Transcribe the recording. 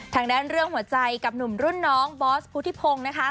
ทางด้านเรื่องหัวใจกับหนุ่มรุ่นน้องบอสพุทธิพงศ์นะคะ